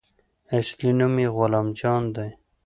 اصلي نوم يې غلام جان دى.